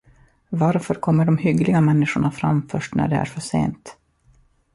Varför kommer de hyggliga människorna fram först när det är för sent?